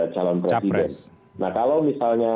calon presiden nah kalau misalnya